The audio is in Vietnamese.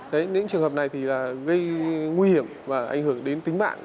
đấy những trường hợp này thì là gây nguy hiểm và ảnh hưởng đến tính mạng